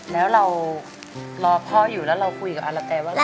แล้วเรารอพ่ออยู่แล้วเราคุยกับอารแกว่า